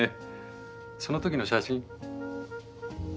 その時の写真。